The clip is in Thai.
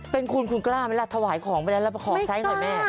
เป็นคุณคุณกล้าไหมล่ะถวายของไปแล้วของใช้หน่อยแม่